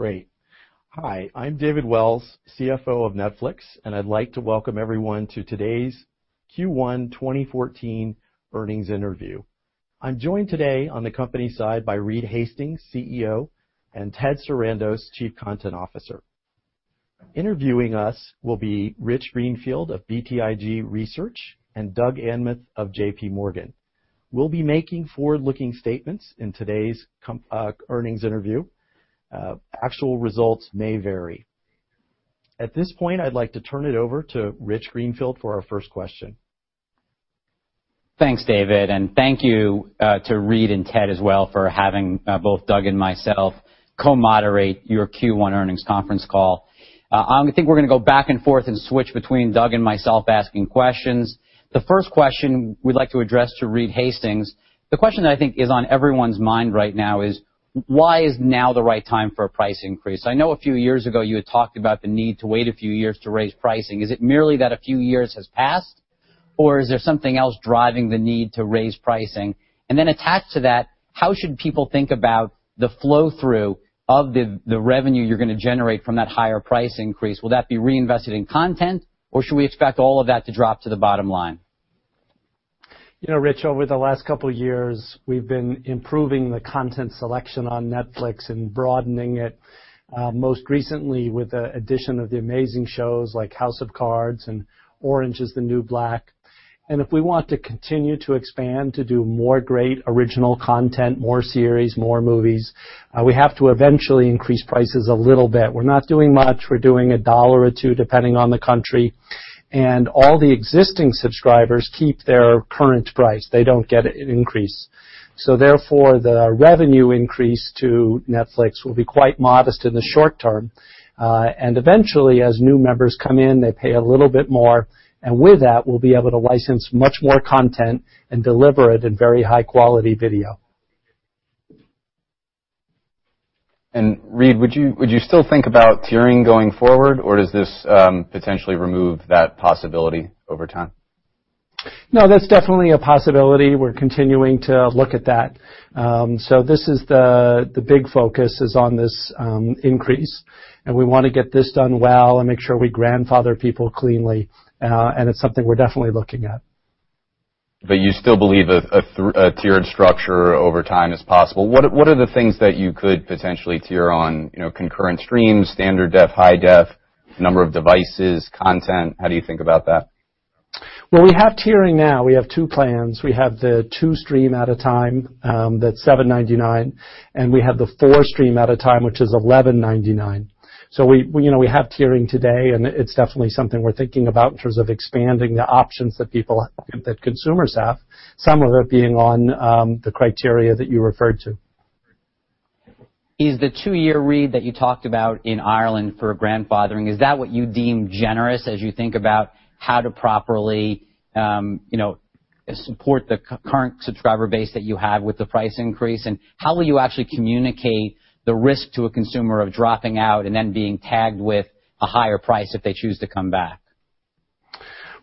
Great. Hi, I'm David Wells, CFO of Netflix, I'd like to welcome everyone to today's Q1 2014 earnings interview. I'm joined today on the company side by Reed Hastings, CEO, and Ted Sarandos, Chief Content Officer. Interviewing us will be Rich Greenfield of BTIG Research and Doug Anmuth of J.P. Morgan. We'll be making forward-looking statements in today's earnings interview. Actual results may vary. At this point, I'd like to turn it over to Rich Greenfield for our first question. Thanks, David, thank you to Reed and Ted as well for having both Doug and myself co-moderate your Q1 earnings conference call. I think we're going to go back and forth and switch between Doug and myself asking questions. The first question we'd like to address to Reed Hastings, the question that I think is on everyone's mind right now is, why is now the right time for a price increase? I know a few years ago you had talked about the need to wait a few years to raise pricing. Is it merely that a few years has passed, or is there something else driving the need to raise pricing? Then attached to that, how should people think about the flow-through of the revenue you're going to generate from that higher price increase? Will that be reinvested in content, or should we expect all of that to drop to the bottom line? Rich, over the last couple of years, we've been improving the content selection on Netflix and broadening it, most recently with the addition of the amazing shows like "House of Cards" and "Orange Is the New Black". If we want to continue to expand to do more great original content, more series, more movies, we have to eventually increase prices a little bit. We're not doing much. We're doing a dollar or two, depending on the country. All the existing subscribers keep their current price. They don't get an increase. Therefore, the revenue increase to Netflix will be quite modest in the short term. Eventually, as new members come in, they pay a little bit more, and with that, we'll be able to license much more content and deliver it in very high-quality video. Reed, would you still think about tiering going forward, or does this potentially remove that possibility over time? No, that's definitely a possibility. We're continuing to look at that. This is the big focus is on this increase, we want to get this done well and make sure we grandfather people cleanly, it's something we're definitely looking at. You still believe a tiered structure over time is possible. What are the things that you could potentially tier on: concurrent streams, standard def, high def, number of devices, content? How do you think about that? Well, we have tiering now. We have two plans. We have the two stream at a time, that's $7.99, we have the four stream at a time, which is $11.99. We have tiering today, it's definitely something we're thinking about in terms of expanding the options that consumers have, some of it being on the criteria that you referred to. Is the two-year read that you talked about in Ireland for grandfathering, is that what you deem generous as you think about how to properly support the current subscriber base that you have with the price increase? How will you actually communicate the risk to a consumer of dropping out and then being tagged with a higher price if they choose to come back?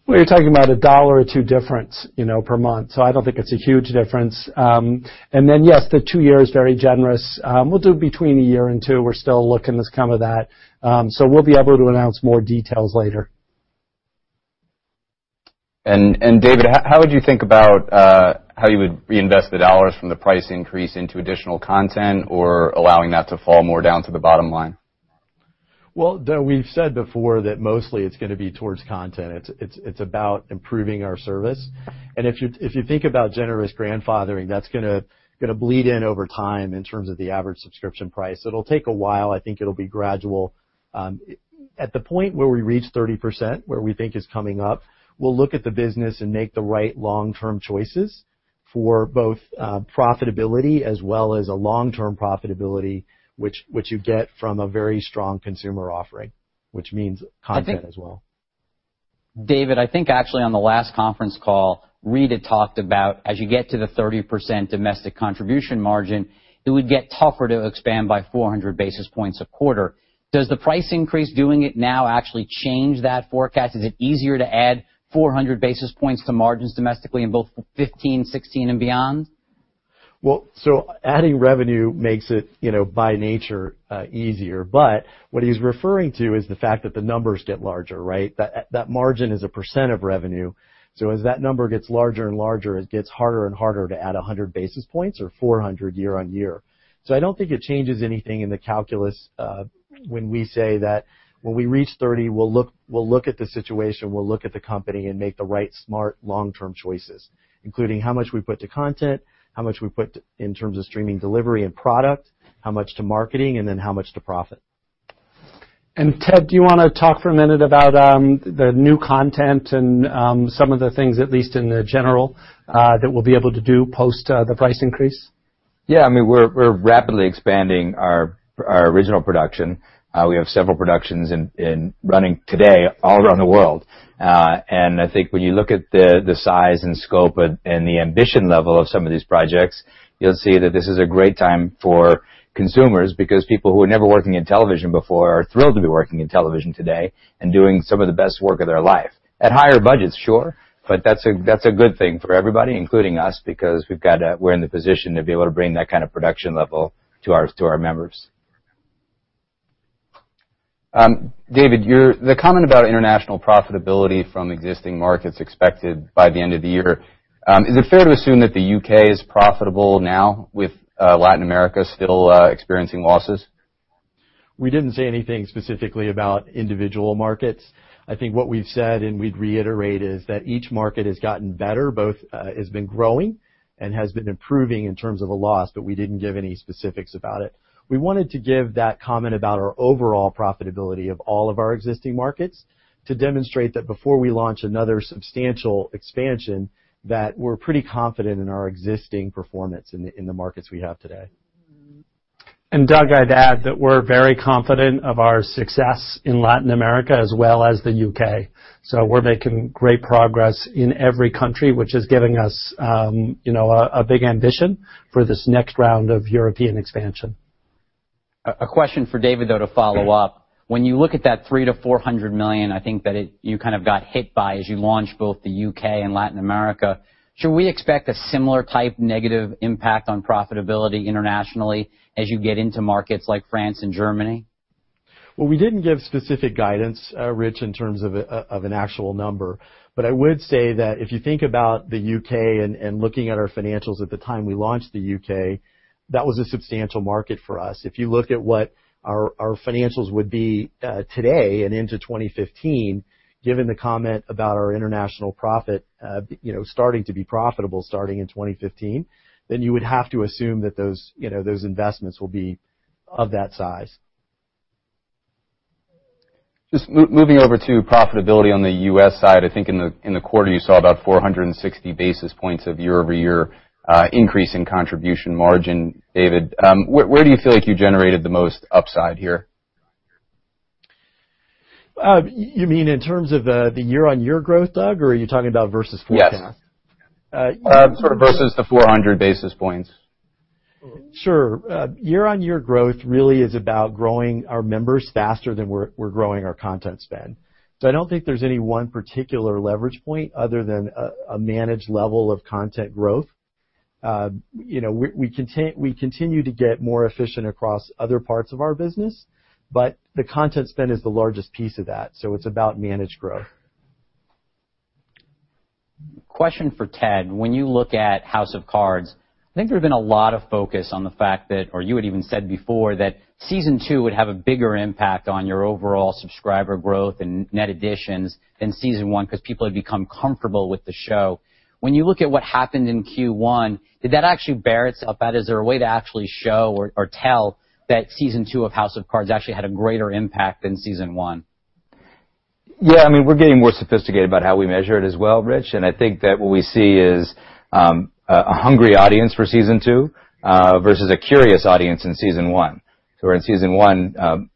Well, you're talking about a $1 or $2 difference per month, so I don't think it's a huge difference. Yes, the two-year is very generous. We'll do between a year and two. We're still looking at that. We'll be able to announce more details later. David, how would you think about how you would reinvest the dollars from the price increase into additional content or allowing that to fall more down to the bottom line? Well, we've said before that mostly it's going to be towards content. It's about improving our service. If you think about generous grandfathering, that's going to bleed in over time in terms of the average subscription price. It'll take a while. I think it'll be gradual. At the point where we reach 30%, where we think is coming up, we'll look at the business and make the right long-term choices for both profitability as well as a long-term profitability, which you get from a very strong consumer offering, which means content as well. David, I think actually on the last conference call, Reed had talked about as you get to the 30% domestic contribution margin, it would get tougher to expand by 400 basis points a quarter. Does the price increase doing it now actually change that forecast? Is it easier to add 400 basis points to margins domestically in both 2015, 2016, and beyond? Adding revenue makes it, by nature, easier. What he's referring to is the fact that the numbers get larger, right? That margin is a % of revenue. As that number gets larger and larger, it gets harder and harder to add 100 basis points or 400 year on year. I don't think it changes anything in the calculus when we say that when we reach 30, we'll look at the situation, we'll look at the company, and make the right smart, long-term choices, including how much we put to content, how much we put in terms of streaming delivery and product, how much to marketing, and then how much to profit. Ted, do you want to talk for a minute about the new content and some of the things, at least in the general, that we'll be able to do post the price increase? Yeah. We're rapidly expanding our original production. We have several productions running today all around the world. I think when you look at the size and scope and the ambition level of some of these projects, you'll see that this is a great time for consumers because people who were never working in television before are thrilled to be working in television today and doing some of the best work of their life. At higher budgets, sure, but that's a good thing for everybody, including us, because we're in the position to be able to bring that kind of production level to our members. David, the comment about international profitability from existing markets expected by the end of the year, is it fair to assume that the U.K. is profitable now with Latin America still experiencing losses? We didn't say anything specifically about individual markets. I think what we've said, and we'd reiterate, is that each market has gotten better, both has been growing and has been improving in terms of a loss, but we didn't give any specifics about it. We wanted to give that comment about our overall profitability of all of our existing markets to demonstrate that before we launch another substantial expansion, that we're pretty confident in our existing performance in the markets we have today. Doug, I'd add that we're very confident of our success in Latin America as well as the U.K. We're making great progress in every country, which is giving us a big ambition for this next round of European expansion. A question for David, though, to follow up. Sure. When you look at that $300 million-$400 million, I think that you kind of got hit by as you launched both the U.K. and Latin America, should we expect a similar type negative impact on profitability internationally as you get into markets like France and Germany? Well, we didn't give specific guidance, Rich, in terms of an actual number. I would say that if you think about the U.K. and looking at our financials at the time we launched the U.K., that was a substantial market for us. If you look at what our financials would be today and into 2015, given the comment about our international profit starting to be profitable starting in 2015, you would have to assume that those investments will be of that size. Just moving over to profitability on the U.S. side, I think in the quarter, you saw about 460 basis points of year-over-year increase in contribution margin. David, where do you feel like you generated the most upside here? You mean in terms of the year-on-year growth, Doug, are you talking about versus forecast? Yes. Sort of versus the 400 basis points. Sure. Year-on-year growth really is about growing our members faster than we're growing our content spend. I don't think there's any one particular leverage point other than a managed level of content growth. We continue to get more efficient across other parts of our business, the content spend is the largest piece of that, it's about managed growth. Question for Ted. When you look at "House of Cards," I think there's been a lot of focus on the fact that, or you had even said before that Season 2 would have a bigger impact on your overall subscriber growth and net additions than Season 1 because people had become comfortable with the show. When you look at what happened in Q1, did that actually bear itself out? Is there a way to actually show or tell that Season 2 of "House of Cards" actually had a greater impact than Season 1? Yeah. We're getting more sophisticated about how we measure it as well, Rich, and I think that what we see is a hungry audience for Season 2 versus a curious audience in Season 1. In Season 1,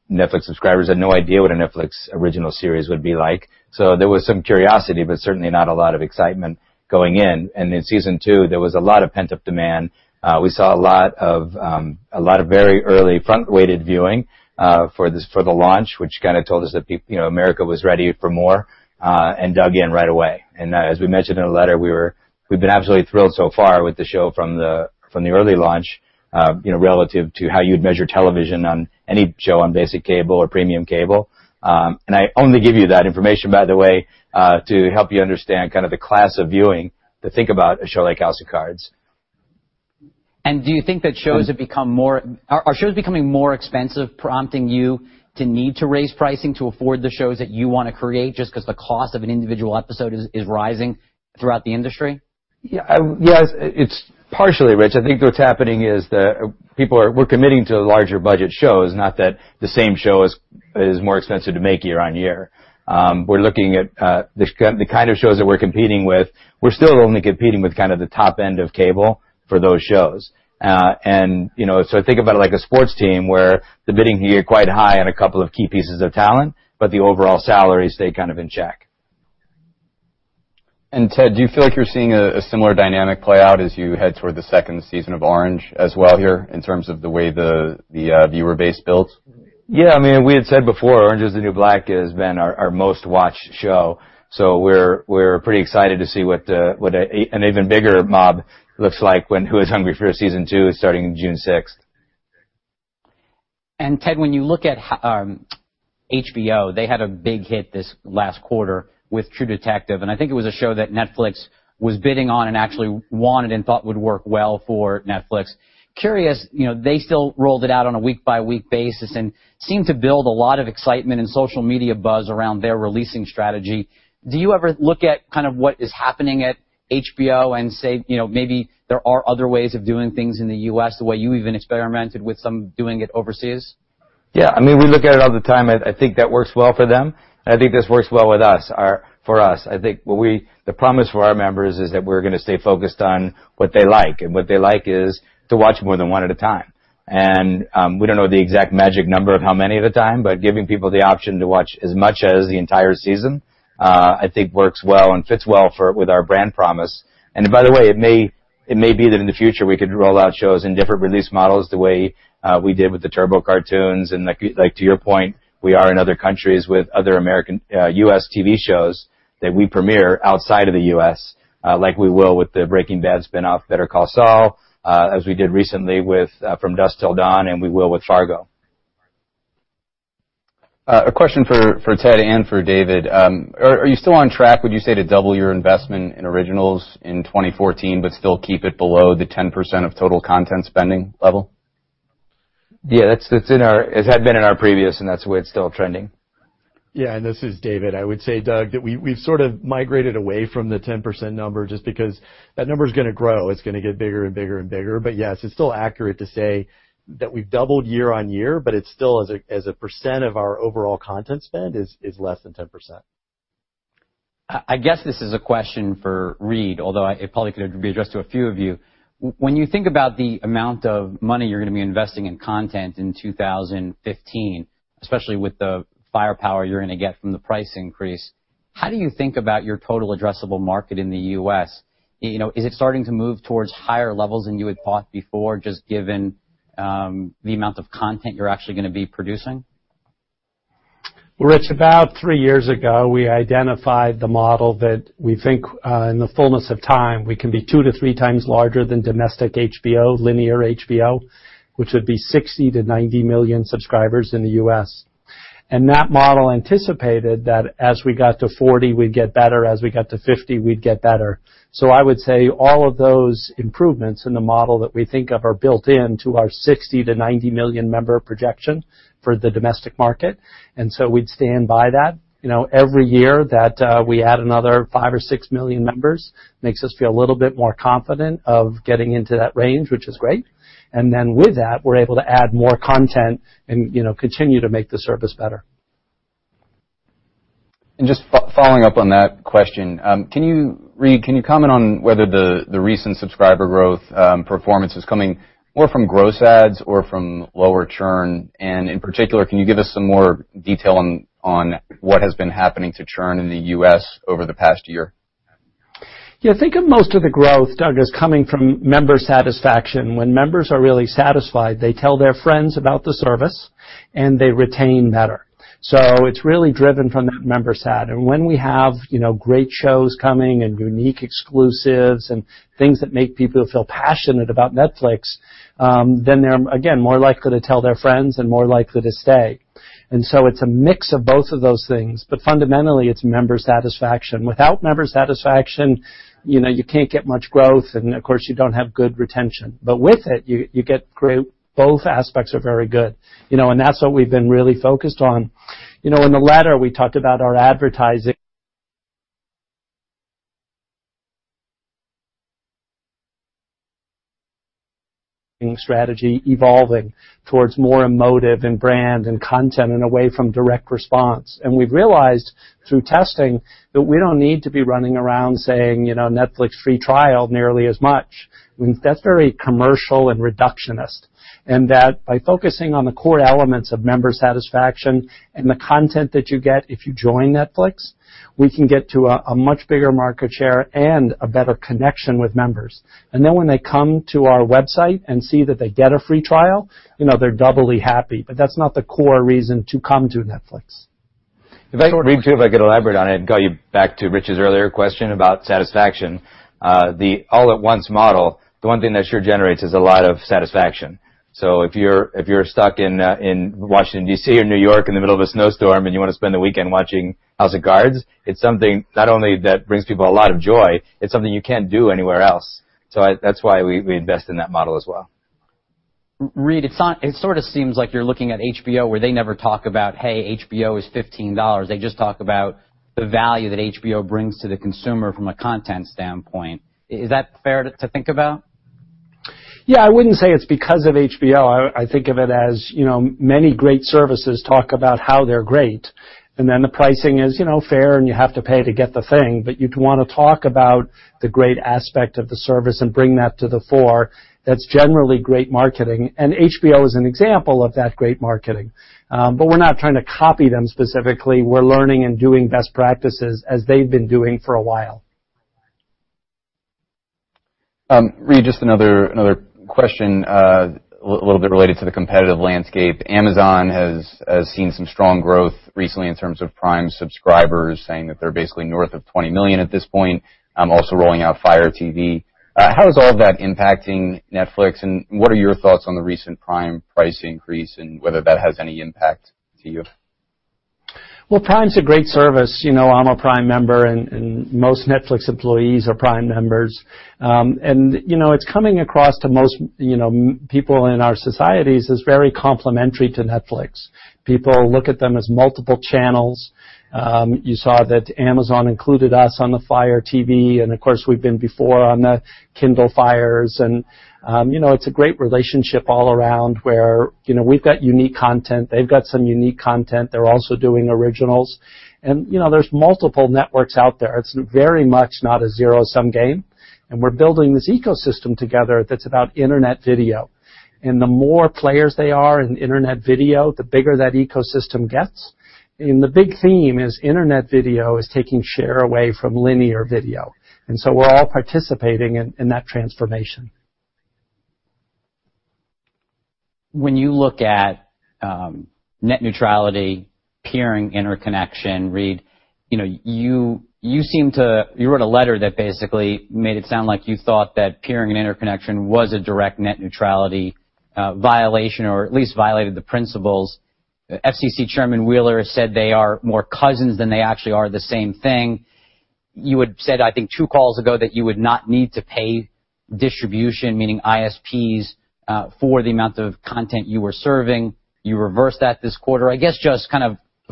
Netflix subscribers had no idea what a Netflix original series would be like. There was some curiosity, but certainly not a lot of excitement going in. In Season 2, there was a lot of pent-up demand. We saw a lot of very early front-weighted viewing for the launch, which kind of told us that America was ready for more and dug in right away. As we mentioned in our letter, we've been absolutely thrilled so far with the show from the early launch relative to how you'd measure television on any show on basic cable or premium cable. I only give you that information, by the way, to help you understand kind of the class of viewing to think about a show like "House of Cards. Do you think that shows are becoming more expensive, prompting you to need to raise pricing to afford the shows that you want to create just because the cost of an individual episode is rising throughout the industry? Yes, it's partially, Rich. I think what's happening is that we're committing to larger budget shows, not that the same show is more expensive to make year-on-year. We're looking at the kind of shows that we're competing with. We're still only competing with kind of the top end of cable for those shows. Think about it like a sports team where the bidding can get quite high on a couple of key pieces of talent, but the overall salaries stay kind of in check. Ted, do you feel like you're seeing a similar dynamic play out as you head toward the second season of "Orange" as well here in terms of the way the viewer base builds? Yeah. We had said before, "Orange Is the New Black" has been our most-watched show. We're pretty excited to see what an even bigger mob looks like when "Who is hungry for Season 2?" starting June 6th. Ted, when you look at HBO, they had a big hit this last quarter with "True Detective," and I think it was a show that Netflix was bidding on and actually wanted and thought would work well for Netflix. Curious, they still rolled it out on a week-by-week basis and seemed to build a lot of excitement and social media buzz around their releasing strategy. Do you ever look at kind of what is happening at HBO and say maybe there are other ways of doing things in the U.S., the way you even experimented with some doing it overseas? Yeah. We look at it all the time. I think that works well for them, and I think this works well for us. I think the promise for our members is that we're going to stay focused on what they like, and what they like is to watch more than one at a time. We don't know the exact magic number of how many at a time, but giving people the option to watch as much as the entire season I think works well and fits well with our brand promise. By the way, it may be that in the future, we could roll out shows in different release models the way we did with the Turbo Cartoons, and like to your point, we are in other countries with other American U.S. TV shows. That we premiere outside of the U.S., like we will with the "Breaking Bad" spinoff, "Better Call Saul," as we did recently with "From Dusk Till Dawn," and we will with "Fargo. A question for Ted and for David. Are you still on track, would you say, to double your investment in originals in 2014, but still keep it below the 10% of total content spending level? Yeah. It had been in our previous, that's the way it's still trending. Yeah, this is David. I would say, Doug, that we've sort of migrated away from the 10% number just because that number's going to grow. It's going to get bigger and bigger and bigger. Yes, it's still accurate to say that we've doubled year-over-year, but it still, as a percent of our overall content spend, is less than 10%. I guess this is a question for Reed, although it probably could be addressed to a few of you. When you think about the amount of money you're going to be investing in content in 2015, especially with the firepower you're going to get from the price increase, how do you think about your total addressable market in the U.S.? Is it starting to move towards higher levels than you had thought before, just given the amount of content you're actually going to be producing? Rich, about three years ago, we identified the model that we think, in the fullness of time, we can be two to three times larger than domestic HBO, linear HBO, which would be 60-90 million subscribers in the U.S. That model anticipated that as we got to 40, we'd get better. As we got to 50, we'd get better. I would say all of those improvements in the model that we think of are built in to our 60-90 million member projection for the domestic market. We'd stand by that. Every year that we add another five or six million members makes us feel a little bit more confident of getting into that range, which is great. With that, we're able to add more content and continue to make the service better. Just following up on that question. Reed, can you comment on whether the recent subscriber growth performance is coming more from gross adds or from lower churn? In particular, can you give us some more detail on what has been happening to churn in the U.S. over the past year? Yeah, think of most of the growth, Doug, as coming from member satisfaction. When members are really satisfied, they tell their friends about the service, they retain better. It's really driven from that member sat. When we have great shows coming and unique exclusives and things that make people feel passionate about Netflix, they're, again, more likely to tell their friends and more likely to stay. It's a mix of both of those things, but fundamentally, it's member satisfaction. Without member satisfaction, you can't get much growth, of course, you don't have good retention. With it, both aspects are very good. That's what we've been really focused on. In the letter, we talked about our advertising strategy evolving towards more emotive and brand and content and away from direct response. We've realized through testing that we don't need to be running around saying, "Netflix free trial" nearly as much. That's very commercial and reductionist. By focusing on the core elements of member satisfaction and the content that you get if you join Netflix, we can get to a much bigger market share and a better connection with members. When they come to our website and see that they get a free trial, they're doubly happy. That's not the core reason to come to Netflix. If I could, Reed, too, if I could elaborate on it, and go back to Rich's earlier question about satisfaction. The all-at-once model, the one thing that sure generates is a lot of satisfaction. If you're stuck in Washington D.C. or New York in the middle of a snowstorm and you want to spend the weekend watching "House of Cards," it's something not only that brings people a lot of joy, it's something you can't do anywhere else. That's why we invest in that model as well. Reed, it sort of seems like you're looking at HBO, where they never talk about, "Hey, HBO is $15." They just talk about the value that HBO brings to the consumer from a content standpoint. Is that fair to think about? Yeah, I wouldn't say it's because of HBO. I think of it as many great services talk about how they're great, and then the pricing is fair and you have to pay to get the thing. You'd want to talk about the great aspect of the service and bring that to the fore. That's generally great marketing, and HBO is an example of that great marketing. We're not trying to copy them specifically. We're learning and doing best practices as they've been doing for a while. Reed, just another question, a little bit related to the competitive landscape. Amazon has seen some strong growth recently in terms of Prime subscribers, saying that they're basically north of 20 million at this point, also rolling out Fire TV. How is all of that impacting Netflix, and what are your thoughts on the recent Prime price increase and whether that has any impact to you? Well, Prime's a great service. I'm a Prime member, and most Netflix employees are Prime members. It's coming across to most people in our societies as very complementary to Netflix. People look at them as multiple channels. You saw that Amazon included us on the Fire TV, and of course, we've been before on the Kindle Fires, and it's a great relationship all around where we've got unique content, they've got some unique content. They're also doing originals. There's multiple networks out there. It's very much not a zero-sum game, and we're building this ecosystem together that's about internet video. The more players they are in internet video, the bigger that ecosystem gets. The big theme is internet video is taking share away from linear video. So we're all participating in that transformation. When you look at Net neutrality, peering interconnection, Reed, you wrote a letter that basically made it sound like you thought that peering and interconnection was a direct Net neutrality violation, or at least violated the principles. FCC Chairman Wheeler has said they are more cousins than they actually are the same thing. You had said, I think two calls ago, that you would not need to pay distribution, meaning ISPs, for the amount of content you were serving. You reversed that this quarter. I guess just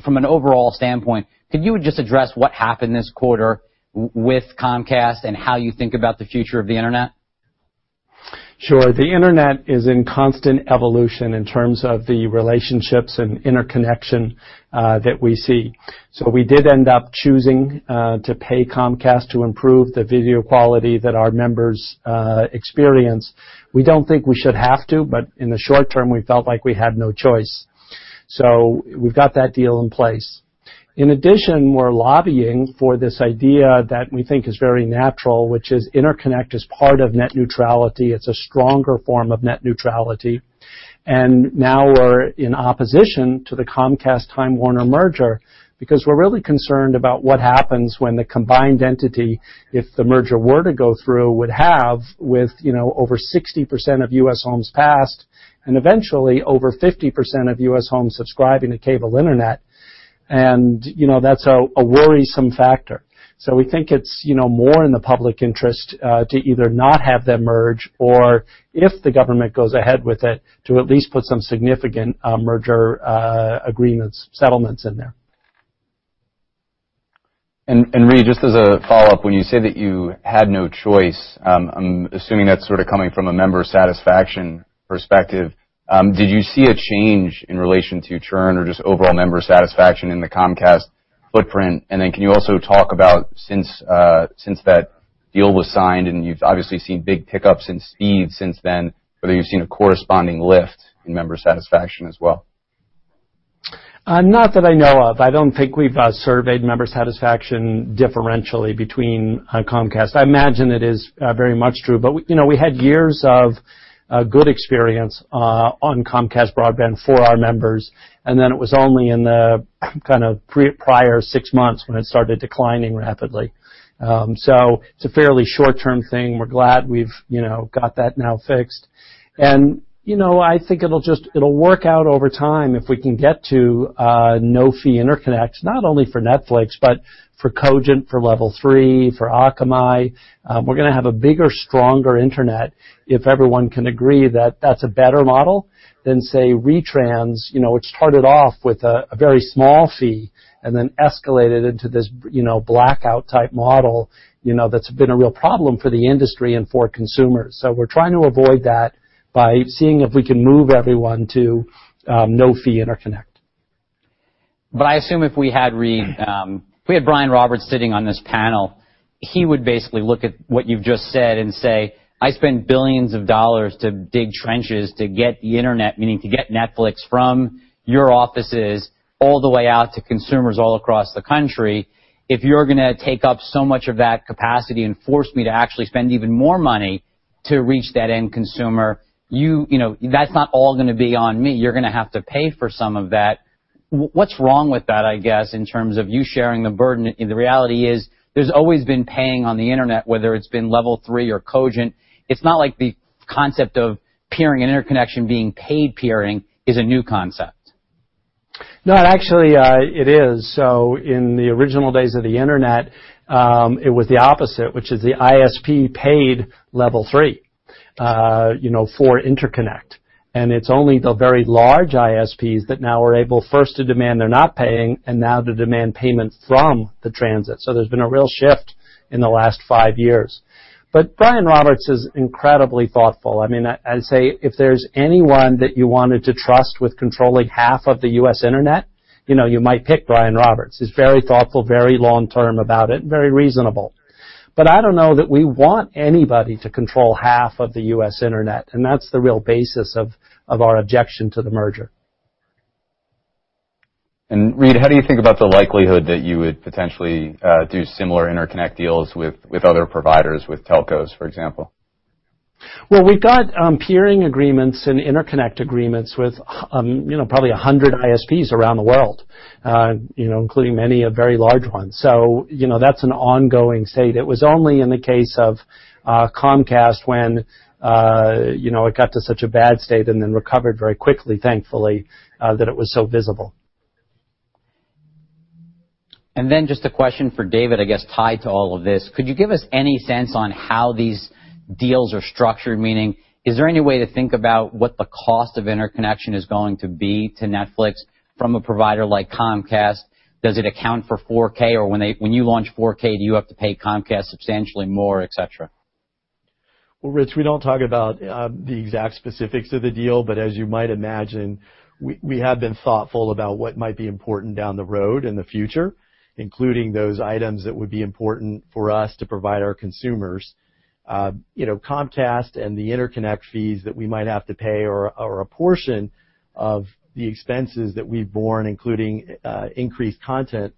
from an overall standpoint, could you just address what happened this quarter with Comcast and how you think about the future of the internet? Sure. The internet is in constant evolution in terms of the relationships and interconnection that we see. We did end up choosing to pay Comcast to improve the video quality that our members experience. We don't think we should have to, but in the short term, we felt like we had no choice. We've got that deal in place. In addition, we're lobbying for this idea that we think is very natural, which is interconnect is part of Net neutrality. It's a stronger form of Net neutrality. Now we're in opposition to the Comcast-Time Warner merger because we're really concerned about what happens when the combined entity, if the merger were to go through, would have with over 60% of U.S. homes passed and eventually over 50% of U.S. homes subscribing to cable internet, that's a worrisome factor. We think it's more in the public interest to either not have them merge or if the government goes ahead with it, to at least put some significant merger agreements, settlements in there. Reed, just as a follow-up, when you say that you had no choice, I'm assuming that's coming from a member satisfaction perspective. Did you see a change in relation to churn or just overall member satisfaction in the Comcast footprint? Then can you also talk about since that deal was signed, and you've obviously seen big pickups in speed since then, whether you've seen a corresponding lift in member satisfaction as well? Not that I know of. I don't think we've surveyed member satisfaction differentially between Comcast. I imagine it is very much true, but we had years of a good experience on Comcast broadband for our members, then it was only in the prior six months when it started declining rapidly. It's a fairly short-term thing. We're glad we've got that now fixed. I think it'll work out over time if we can get to no-fee interconnects, not only for Netflix, but for Cogent, for Level 3, for Akamai. We're going to have a bigger, stronger internet if everyone can agree that that's a better model than say, retrans, which started off with a very small fee and then escalated into this blackout-type model that's been a real problem for the industry and for consumers. We're trying to avoid that by seeing if we can move everyone to no-fee interconnect. I assume if we had Brian Roberts sitting on this panel, he would basically look at what you've just said and say, "I spend $ billions to dig trenches to get the internet," meaning to get Netflix from your offices all the way out to consumers all across the country. If you're going to take up so much of that capacity and force me to actually spend even more money to reach that end consumer, that's not all going to be on me. You're going to have to pay for some of that. What's wrong with that, I guess, in terms of you sharing the burden? The reality is there's always been paying on the internet, whether it's been Level 3 or Cogent. It's not like the concept of peering and interconnection being paid peering is a new concept. No, actually, it is. In the original days of the internet, it was the opposite, which is the ISP paid Level 3 for interconnect. It's only the very large ISPs that now are able first to demand they're not paying and now to demand payment from the transit. There's been a real shift in the last five years. Brian Roberts is incredibly thoughtful. I'd say if there's anyone that you wanted to trust with controlling half of the U.S. internet, you might pick Brian Roberts. He's very thoughtful, very long-term about it, and very reasonable. I don't know that we want anybody to control half of the U.S. internet, and that's the real basis of our objection to the merger. Reed, how do you think about the likelihood that you would potentially do similar interconnect deals with other providers, with telcos, for example? Well, we've got peering agreements and interconnect agreements with probably 100 ISPs around the world, including many very large ones. That's an ongoing state. It was only in the case of Comcast when it got to such a bad state and then recovered very quickly, thankfully, that it was so visible. Just a question for David, I guess, tied to all of this, could you give us any sense on how these deals are structured? Meaning, is there any way to think about what the cost of interconnection is going to be to Netflix from a provider like Comcast? Does it account for 4K or when you launch 4K, do you have to pay Comcast substantially more, et cetera? Well, Rich, we don't talk about the exact specifics of the deal, but as you might imagine, we have been thoughtful about what might be important down the road in the future, including those items that would be important for us to provide our consumers. Comcast and the interconnect fees that we might have to pay or a portion of the expenses that we've borne, including increased content,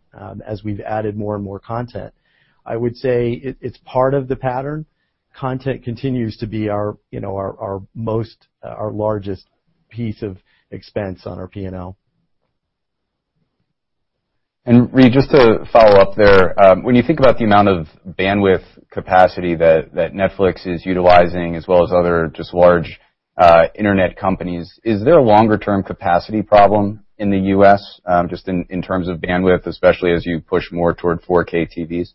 as we've added more and more content. I would say it's part of the pattern. Content continues to be our largest piece of expense on our P&L. Reed, just to follow up there. When you think about the amount of bandwidth capacity that Netflix is utilizing as well as other just large internet companies, is there a longer-term capacity problem in the U.S. just in terms of bandwidth, especially as you push more toward 4K TVs?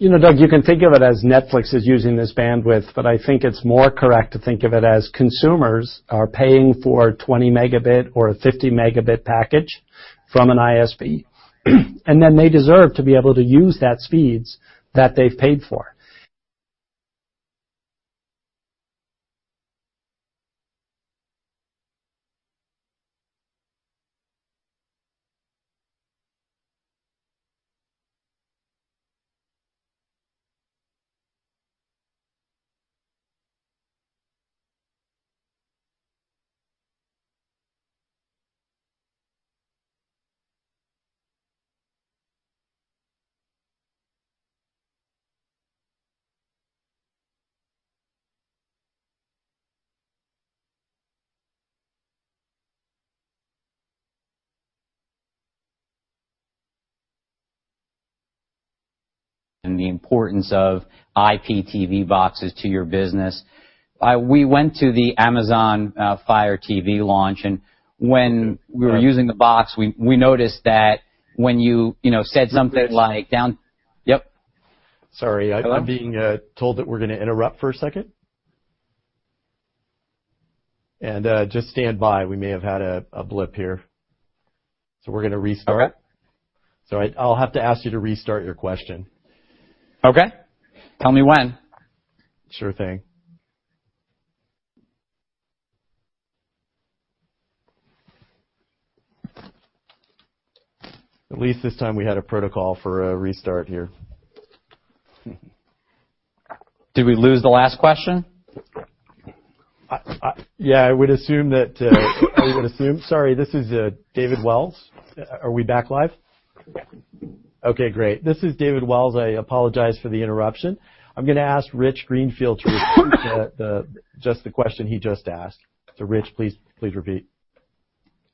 Doug, you can think of it as Netflix is using this bandwidth, but I think it's more correct to think of it as consumers are paying for a 20 megabit or a 50 megabit package from an ISP they deserve to be able to use that speeds that they've paid for. The importance of IPTV boxes to your business. We went to the Amazon Fire TV launch. When we were using the box, we noticed that when you said something like Yep. Sorry. Hello? I'm being told that we're going to interrupt for a second. Just stand by, we may have had a blip here. We're going to restart. Okay. Sorry. I'll have to ask you to restart your question. Okay. Tell me when. Sure thing. At least this time we had a protocol for a restart here. Did we lose the last question? Yeah, I would assume. Sorry, this is David Wells. Are we back live? Okay, great. This is David Wells. I apologize for the interruption. I'm going to ask Rich Greenfield to repeat the question he just asked. Rich, please repeat.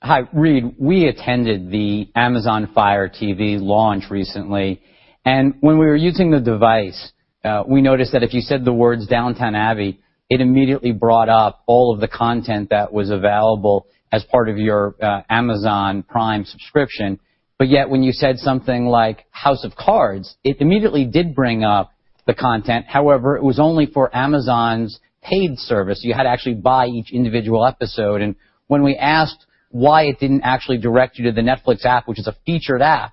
Hi. Reed, we attended the Amazon Fire TV launch recently. When we were using the device, we noticed that if you said the words "Downton Abbey," it immediately brought up all of the content that was available as part of your Amazon Prime subscription. When you said something like "House of Cards," it immediately did bring up the content. However, it was only for Amazon's paid service. You had to actually buy each individual episode. When we asked why it didn't actually direct you to the Netflix app, which is a featured app,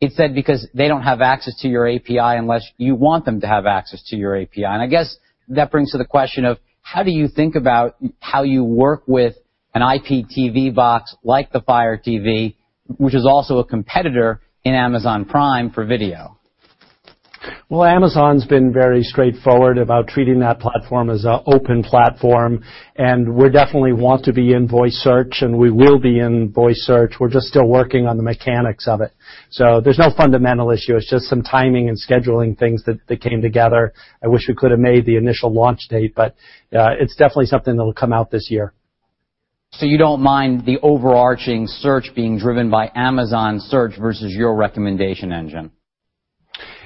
it said because they don't have access to your API unless you want them to have access to your API. I guess that brings to the question of, how do you think about how you work with an IPTV box like the Fire TV, which is also a competitor in Amazon Prime for video? Amazon's been very straightforward about treating that platform as an open platform, we definitely want to be in voice search, we will be in voice search. We're just still working on the mechanics of it. There's no fundamental issue. It's just some timing and scheduling things that came together. I wish we could've made the initial launch date, it's definitely something that'll come out this year. You don't mind the overarching search being driven by Amazon search versus your recommendation engine?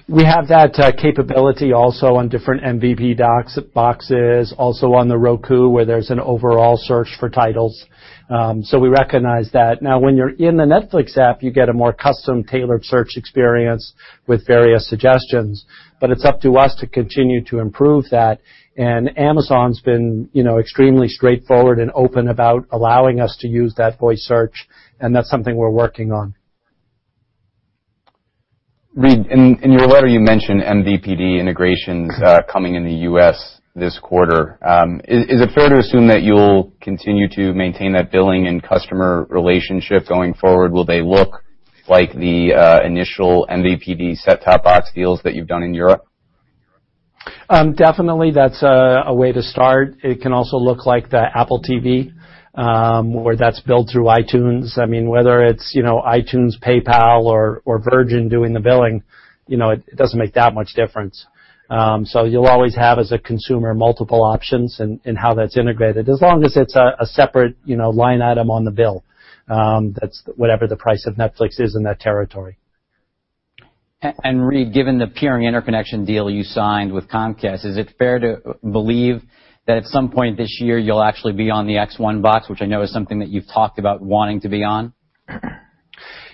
We have that capability also on different MVPD boxes, also on the Roku, where there's an overall search for titles. We recognize that. Now, when you're in the Netflix app, you get a more custom-tailored search experience with various suggestions, it's up to us to continue to improve that. Amazon's been extremely straightforward and open about allowing us to use that voice search, that's something we're working on. Reed, in your letter, you mentioned MVPD integrations coming in the U.S. this quarter. Is it fair to assume that you'll continue to maintain that billing and customer relationship going forward? Will they look like the initial MVPD set-top box deals that you've done in Europe? Definitely, that's a way to start. It can also look like the Apple TV, where that's billed through iTunes. Whether it's iTunes, PayPal, or Virgin doing the billing, it doesn't make that much difference. You'll always have, as a consumer, multiple options in how that's integrated, as long as it's a separate line item on the bill. That's whatever the price of Netflix is in that territory. Reed, given the peering interconnection deal you signed with Comcast, is it fair to believe that at some point this year you'll actually be on the X1 box, which I know is something that you've talked about wanting to be on?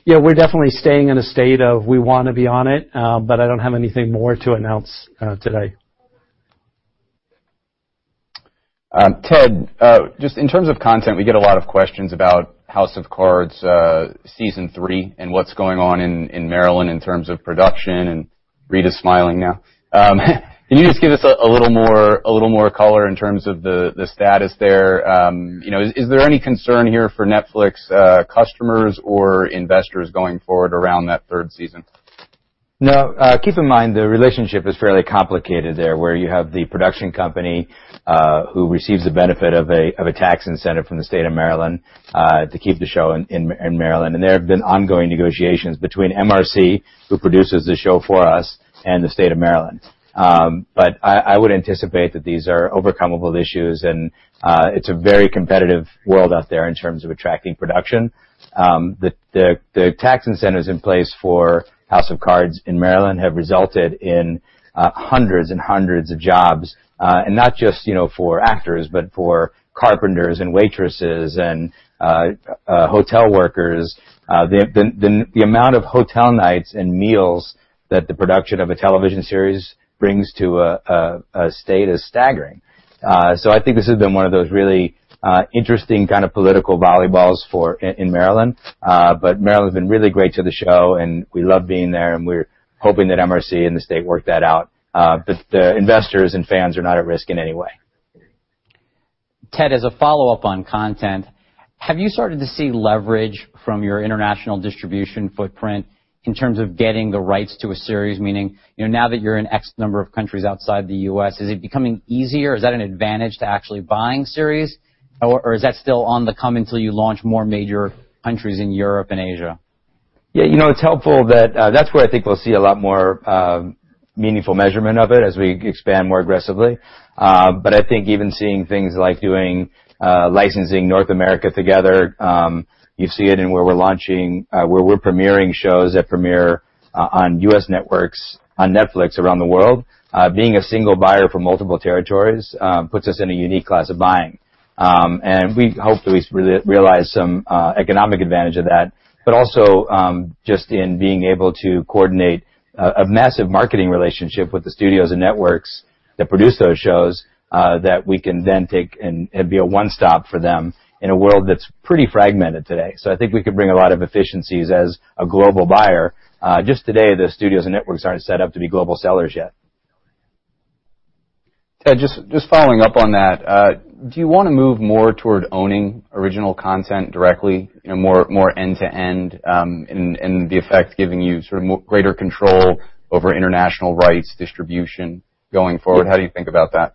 Yeah, we're definitely staying in a state of we want to be on it, but I don't have anything more to announce today. Ted, just in terms of content, we get a lot of questions about "House of Cards" Season 3 and what's going on in Maryland in terms of production. Reed is smiling now. Can you just give us a little more color in terms of the status there? Is there any concern here for Netflix customers or investors going forward around that third season? Keep in mind, the relationship is fairly complicated there, where you have the production company who receives the benefit of a tax incentive from the state of Maryland to keep the show in Maryland. There have been ongoing negotiations between MRC, who produces the show for us, and the state of Maryland. I would anticipate that these are overcomeable issues, and it's a very competitive world out there in terms of attracting production. The tax incentives in place for House of Cards in Maryland have resulted in hundreds and hundreds of jobs, and not just for actors, but for carpenters and waitresses and hotel workers. The amount of hotel nights and meals that the production of a television series brings to a state is staggering. I think this has been one of those really interesting kind of political volleyballs in Maryland. Maryland's been really great to the show, and we love being there, and we're hoping that MRC and the state work that out. The investors and fans are not at risk in any way. Ted, as a follow-up on content, have you started to see leverage from your international distribution footprint in terms of getting the rights to a series? Meaning, now that you're in X number of countries outside the U.S., is it becoming easier? Is that an advantage to actually buying series, or is that still on the come until you launch more major countries in Europe and Asia? It's helpful that's where I think we'll see a lot more meaningful measurement of it as we expand more aggressively. I think even seeing things like doing licensing North America together, you see it in where we're launching, where we're premiering shows that premiere on U.S. networks on Netflix around the world. Being a single buyer for multiple territories puts us in a unique class of buying. We hope that we realize some economic advantage of that, but also just in being able to coordinate a massive marketing relationship with the studios and networks that produce those shows that we can then take and be a one-stop for them in a world that's pretty fragmented today. I think we could bring a lot of efficiencies as a global buyer just today that studios and networks aren't set up to be global sellers yet. Ted, just following up on that, do you want to move more toward owning original content directly, more end-to-end, and the effect giving you sort of greater control over international rights distribution going forward? How do you think about that?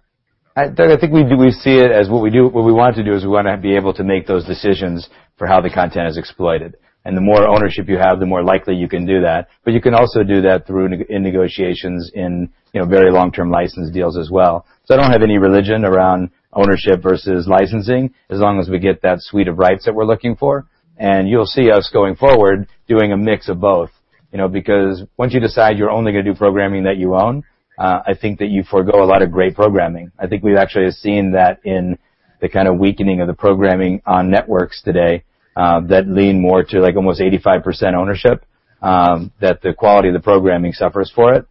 Doug, I think we see it as what we want to do is we want to be able to make those decisions for how the content is exploited. The more ownership you have, the more likely you can do that. You can also do that through in negotiations in very long-term license deals as well. I don't have any religion around ownership versus licensing, as long as we get that suite of rights that we're looking for. You'll see us going forward doing a mix of both. Once you decide you're only going to do programming that you own, I think that you forego a lot of great programming. I think we've actually seen that in the kind of weakening of the programming on networks today that lean more to almost 85% ownership, that the quality of the programming suffers for it.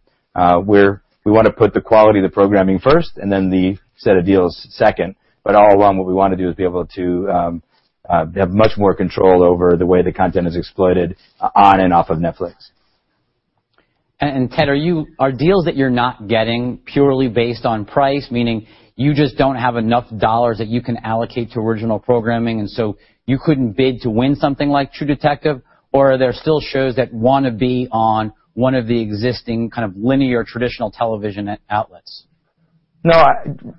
We want to put the quality of the programming first and then the set of deals second. All along, what we want to do is be able to have much more control over the way the content is exploited on and off of Netflix. Ted, are deals that you're not getting purely based on price, meaning you just don't have enough dollars that you can allocate to original programming, and so you couldn't bid to win something like "True Detective"? Or are there still shows that want to be on one of the existing kind of linear traditional television outlets? No,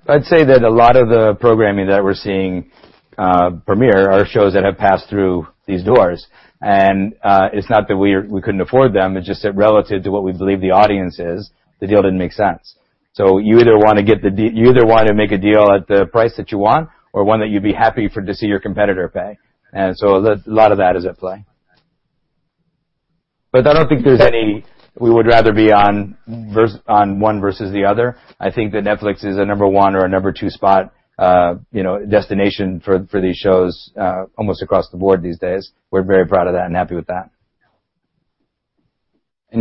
I'd say that a lot of the programming that we're seeing premiere are shows that have passed through these doors. It's not that we couldn't afford them, it's just that relative to what we believe the audience is, the deal didn't make sense. You either want to make a deal at the price that you want or one that you'd be happy to see your competitor pay. A lot of that is at play. I don't think there's any we would rather be on one versus the other. I think that Netflix is a number one or a number two spot destination for these shows almost across the board these days. We're very proud of that and happy with that.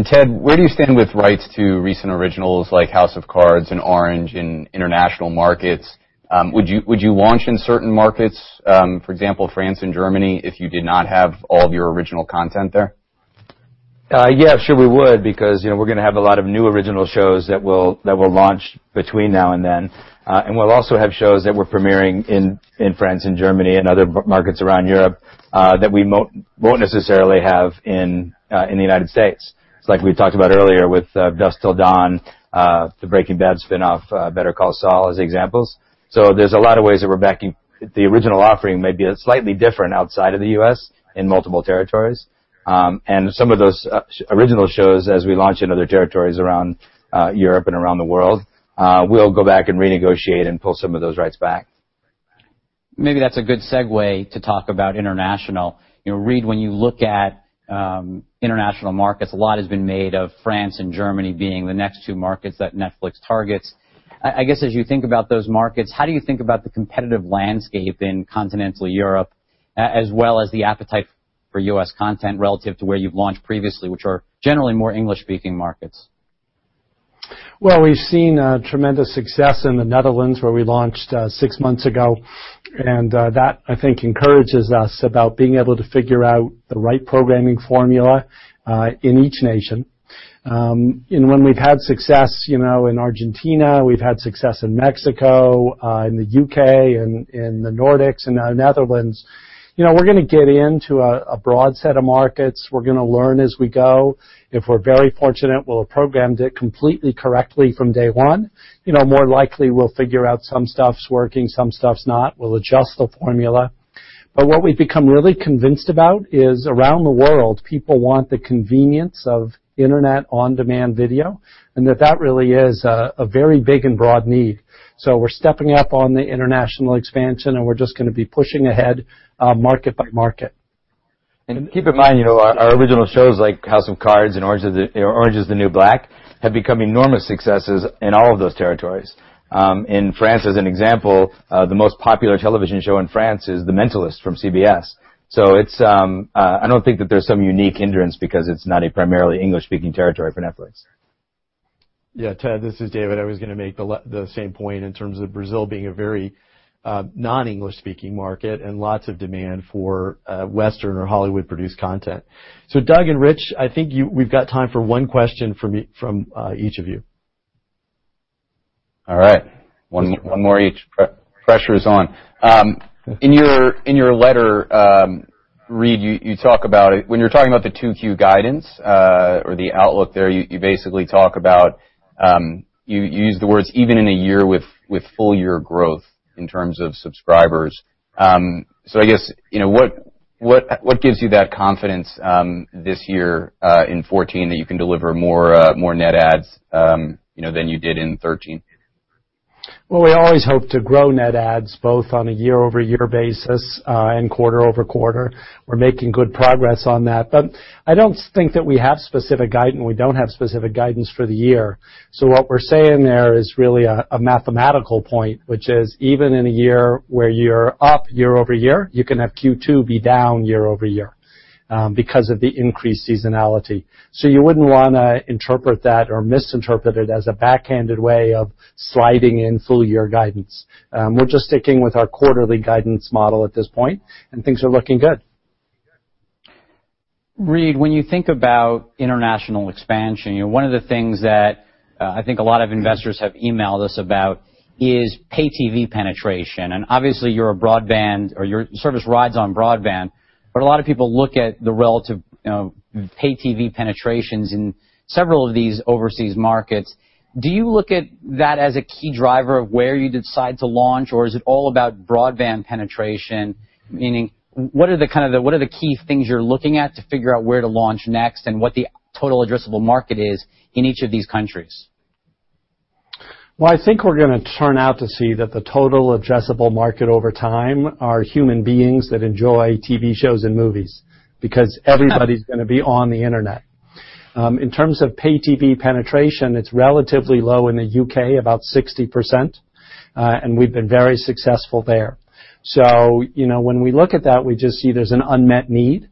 Ted, where do you stand with rights to recent originals like House of Cards and Orange in international markets? Would you launch in certain markets, for example, France and Germany, if you did not have all of your original content there? Yeah, sure we would because we're going to have a lot of new original shows that will launch between now and then. We'll also have shows that we're premiering in France and Germany and other markets around Europe that we won't necessarily have in the U.S. It's like we talked about earlier with From Dusk Till Dawn, the Breaking Bad spinoff, Better Call Saul as examples. There's a lot of ways that we're backing. The original offering may be slightly different outside of the U.S. in multiple territories. Some of those original shows, as we launch in other territories around Europe and around the world, we'll go back and renegotiate and pull some of those rights back. Maybe that's a good segue to talk about international. Reed, when you look at international markets, a lot has been made of France and Germany being the next two markets that Netflix targets. I guess as you think about those markets, how do you think about the competitive landscape in continental Europe, as well as the appetite for U.S. content relative to where you've launched previously, which are generally more English-speaking markets? Well, we've seen tremendous success in the Netherlands, where we launched six months ago, that I think encourages us about being able to figure out the right programming formula in each nation. When we've had success in Argentina, we've had success in Mexico, in the U.K., and in the Nordics, and now Netherlands. We're going to get into a broad set of markets. We're going to learn as we go. If we're very fortunate, we'll have programmed it completely correctly from day one. More likely, we'll figure out some stuff's working, some stuff's not. We'll adjust the formula. What we've become really convinced about is around the world, people want the convenience of internet on-demand video, and that really is a very big and broad need. We're stepping up on the international expansion, and we're just going to be pushing ahead market by market. Keep in mind, our original shows like "House of Cards" and "Orange Is the New Black" have become enormous successes in all of those territories. In France, as an example, the most popular television show in France is "The Mentalist" from CBS. I don't think that there's some unique hindrance because it's not a primarily English-speaking territory for Netflix. Yeah, Ted, this is David. I was going to make the same point in terms of Brazil being a very non-English speaking market and lots of demand for Western or Hollywood-produced content. Doug and Reed, I think we've got time for one question from each of you. All right. One more each. Pressure is on. In your letter, Reed, when you're talking about the 2Q guidance or the outlook there, you use the words "even in a year with full-year growth" in terms of subscribers. I guess, what gives you that confidence this year in 2014 that you can deliver more net adds than you did in 2013? We always hope to grow net adds both on a year-over-year basis and quarter-over-quarter. We're making good progress on that. I don't think that we have specific guidance. We don't have specific guidance for the year. What we're saying there is really a mathematical point, which is even in a year where you're up year-over-year, you can have Q2 be down year-over-year because of the increased seasonality. You wouldn't want to interpret that or misinterpret it as a backhanded way of sliding in full-year guidance. We're just sticking with our quarterly guidance model at this point, and things are looking good. Reed, when you think about international expansion, one of the things that I think a lot of investors have emailed us about is pay TV penetration. Obviously, your service rides on broadband, but a lot of people look at the relative pay TV penetrations in several of these overseas markets. Do you look at that as a key driver of where you decide to launch, or is it all about broadband penetration? Meaning, what are the key things you're looking at to figure out where to launch next and what the total addressable market is in each of these countries? Well, I think we're going to turn out to see that the total addressable market over time are human beings that enjoy TV shows and movies, because everybody's going to be on the internet. In terms of pay TV penetration, it's relatively low in the U.K., about 60%, and we've been very successful there. When we look at that, we just see there's an unmet need.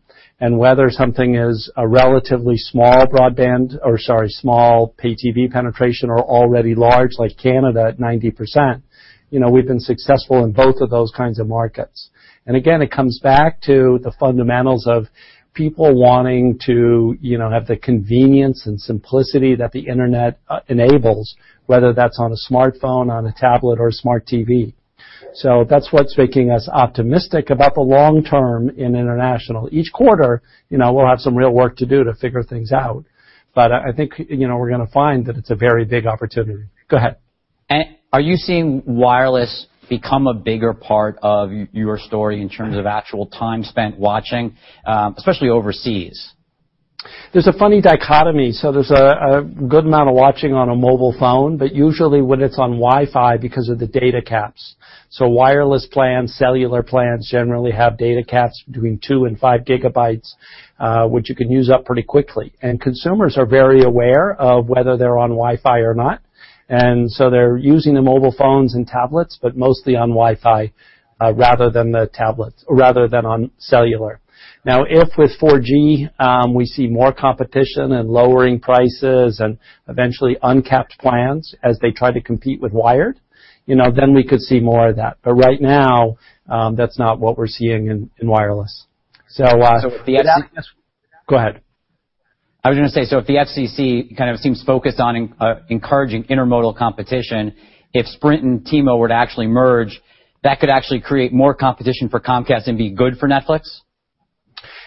Whether something is a relatively small broadband, or, sorry, small pay TV penetration or already large, like Canada at 90%, we've been successful in both of those kinds of markets. Again, it comes back to the fundamentals of people wanting to have the convenience and simplicity that the internet enables, whether that's on a smartphone, on a tablet, or a smart TV. That's what's making us optimistic about the long term in international. Each quarter, we'll have some real work to do to figure things out. I think we're going to find that it's a very big opportunity. Go ahead. Are you seeing wireless become a bigger part of your story in terms of actual time spent watching, especially overseas? There's a funny dichotomy. There's a good amount of watching on a mobile phone, but usually when it's on Wi-Fi because of the data caps. Wireless plans, cellular plans generally have data caps between two and five gigabytes, which you can use up pretty quickly. Consumers are very aware of whether they're on Wi-Fi or not. They're using the mobile phones and tablets, but mostly on Wi-Fi, rather than on cellular. If with 4G, we see more competition and lowering prices and eventually uncapped plans as they try to compete with wired, then we could see more of that. Right now, that's not what we're seeing in wireless. With the FCC Go ahead. I was going to say, if the FCC kind of seems focused on encouraging intermodal competition, if Sprint and T-Mobile were to actually merge, that could actually create more competition for Comcast and be good for Netflix?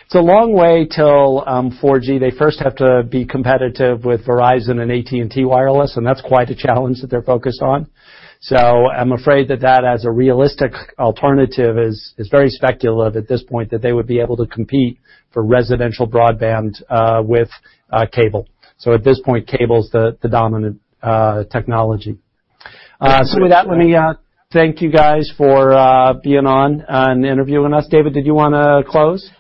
It's a long way till 4G. They first have to be competitive with Verizon and AT&T Wireless, and that's quite a challenge that they're focused on. I'm afraid that that as a realistic alternative is very speculative at this point that they would be able to compete for residential broadband with cable. At this point, cable's the dominant technology. With that, let me thank you guys for being on and interviewing us. David, did you want to close?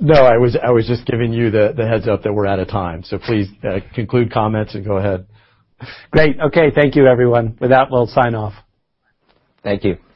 No, I was just giving you the heads-up that we're out of time. Please conclude comments and go ahead. Great. Okay. Thank you, everyone. With that, we'll sign off. Thank you.